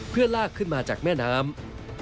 เพื่อลากขึ้นมาจากแม่น้ำ